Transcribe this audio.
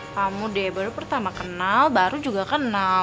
kamu deh baru pertama kenal baru juga kenal